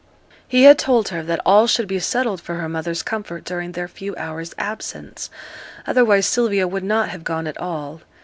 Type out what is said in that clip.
He had told her that all should be settled for her mother's comfort during their few hours' absence; otherwise Sylvia would not have gone at all.